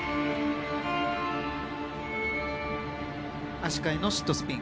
足換えのシットスピン。